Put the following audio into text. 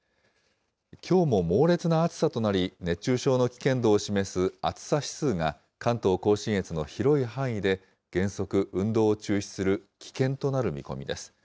きょうも猛烈な暑さとなり、熱中症の危険度を示す暑さ指数が、関東甲信越の広い範囲で原則、運動を中止する危険となる見込みです。